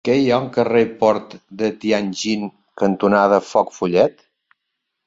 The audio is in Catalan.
Què hi ha al carrer Port de Tianjin cantonada Foc Follet?